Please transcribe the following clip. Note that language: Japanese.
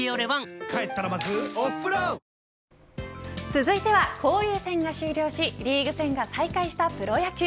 続いては交流戦が終了しリーグ戦が再開したプロ野球。